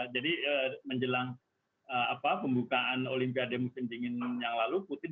jadi menjelang pembukaan olimpiade musim dingin yang lalu putin